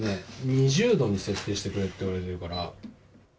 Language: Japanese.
２０度に設定してくれって言われてるから。